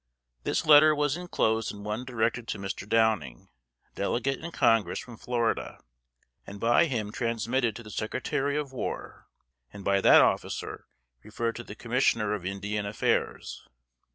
This letter was inclosed in one directed to Mr. Downing, Delegate in Congress from Florida, and by him transmitted to the Secretary of War, and by that officer referred to the Commissioner of Indian Affairs.